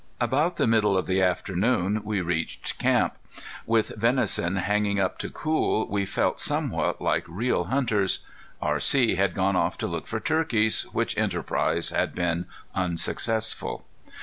About the middle of the afternoon we reached camp. With venison hanging up to cool we felt somewhat like real hunters. R.C. had gone off to look for turkeys, which enterprise had been unsuccessful.